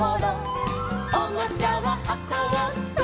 「おもちゃははこをとびだして」